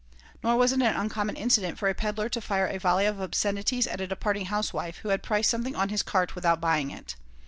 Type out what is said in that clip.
Nor was it an uncommon incident for a peddler to fire a volley of obscenities at a departing housewife who had priced something on his cart without buying it.